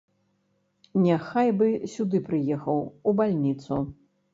Няхай бы сюды прыехаў, у бальніцу.